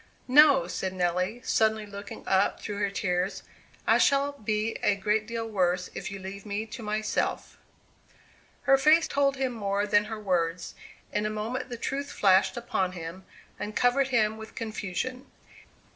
"No," said Nelly, suddenly looking up through her tears; "I shall be a great deal worse if you leave me to myself!" Her face told him more than her words. In a moment the truth flashed upon him, and covered him with confusion.